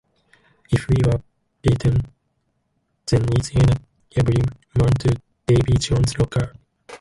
If we're beaten, then it's every man to Davy Jones's locker!